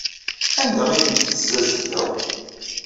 Anda ay tent-tessazedgeḍ?